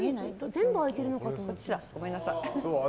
全部開いてるのかと思った。